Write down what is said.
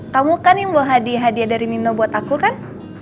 kamu kan yang bawa hadiah dari nino buat aku kan